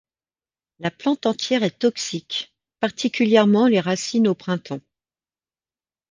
La plante entière est toxique, particulièrement les racines au printemps.